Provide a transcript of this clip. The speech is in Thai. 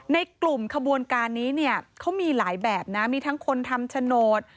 ในกลุ่มขบวนการนี้เนี่ยเขามีหลายแบบนะมีทั้งคนทำโฉนด